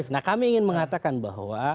nah kami ingin mengatakan bahwa